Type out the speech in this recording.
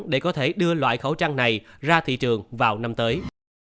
để có thể đưa loại khẩu trang này ra thị trường vào năm tới